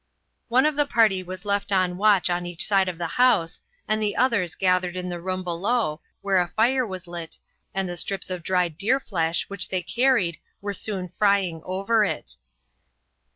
One of the party was left on watch on each side of the house, and the others gathered in the room below, where a fire was lit and the strips of dried deer flesh which they carried were soon frying over it.